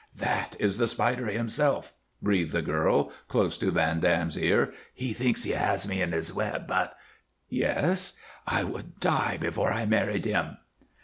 "That is the Spider himself," breathed the girl, close to Van Dam's ear. "He thinks he has me in his web; but " "Yes?" "I would die before I married him."